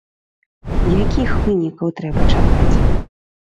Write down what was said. Якіх вынікаў трэба чакаць?